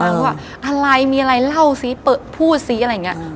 ว่าอะไรมีอะไรเล่าสิพูดสิอะไรอย่างนี้